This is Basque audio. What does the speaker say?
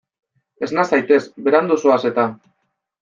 Esna zaitez, berandu zoaz eta.